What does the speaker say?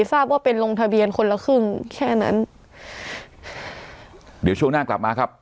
ทราบว่าเป็นลงทะเบียนคนละครึ่งแค่นั้นเดี๋ยวช่วงหน้ากลับมาครับ